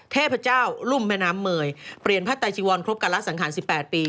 เทพเจ้ารุ่มแม่น้ำเมยเปลี่ยนพระไตจีวรครบการละสังขาร๑๘ปี